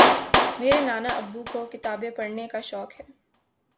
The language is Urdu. میرے نانا ابو کو کتابیں پڑھنے کا شوق ہے